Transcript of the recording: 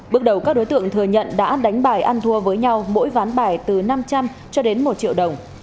bước đầu các đối tượng thừa nhận đã đánh bài ăn thua với nhau mỗi ván bài từ năm trăm linh cho đến một triệu đồng